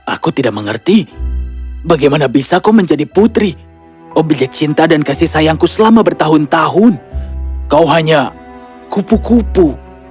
aku tidak mengerti bagaimana bisa kau menjadi putri objek cinta dan kasih sayangku selama bertahun tahun kau hanya kupu kupu